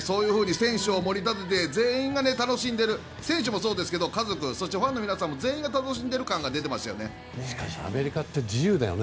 選手を盛り立てて全員が楽しんでいる選手もそうですが家族、そしてファンの皆さんも全員が楽しんでいる感じがアメリカって自由だよね。